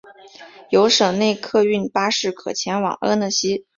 有省内客运巴士可前往阿讷西。